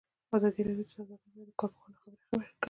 ازادي راډیو د سوداګري په اړه د کارپوهانو خبرې خپرې کړي.